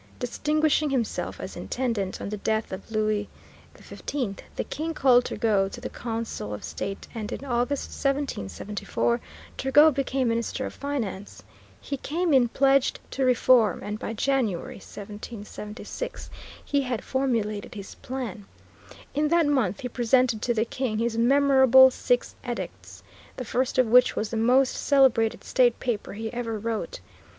Distinguishing himself as Intendant, on the death of Louis XV the King called Turgot to the Council of State, and in August, 1774, Turgot became Minister of Finance. He came in pledged to reform, and by January, 1776, he had formulated his plan. In that month he presented to the King his memorable Six Edicts, the first of which was the most celebrated state paper he ever wrote.